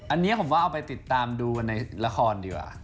อันนี้ผมว่าเอาไปติดตามดูในละครดีกว่า